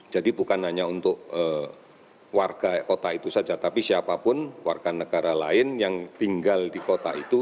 jadi bukan hanya untuk warga kota itu saja tapi siapa pun warga negara lain yang tinggal di kota itu